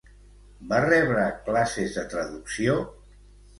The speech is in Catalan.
Va rebre classes de traducció?